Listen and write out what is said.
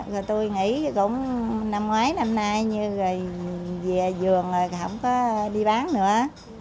rồi tôi nghĩ cũng năm ngoái năm nay như rồi về vườn rồi không có đi bán nữa